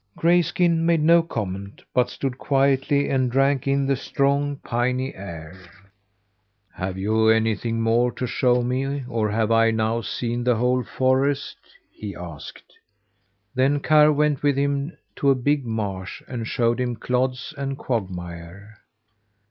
Grayskin made no comment, but stood quietly and drank in the strong, piney air. "Have you anything more to show me, or have I now seen the whole forest?" he asked. Then Karr went with him to a big marsh, and showed him clods and quagmire.